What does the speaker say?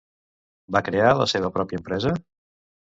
Va crear la seva pròpia empresa?